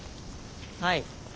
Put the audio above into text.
はい。